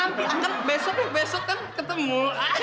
nanti akan besok yuk besok kan ketemu